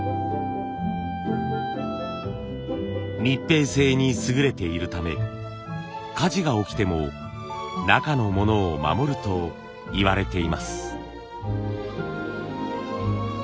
密閉性に優れているため火事が起きても中のものを守るといわれています。